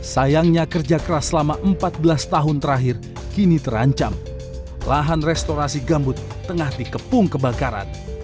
sayangnya kerja keras selama empat belas tahun terakhir kini terancam lahan restorasi gambut tengah dikepung kebakaran